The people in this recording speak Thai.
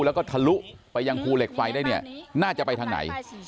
แล้วก็ทะลุไปยังภูเหล็กไฟได้เนี่ยน่าจะไปทางไหน